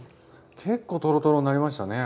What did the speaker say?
結構トロトロになりましたね。